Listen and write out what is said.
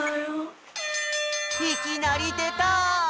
いきなりでた！